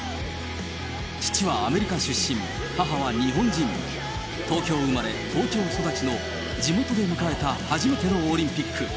父はアメリカ出身、母は日本人、東京生まれ、東京育ちの地元で迎えた初めてのオリンピック。